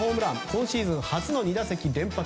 今シーズン初の２打席連発。